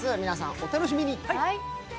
皆さん、楽しみに。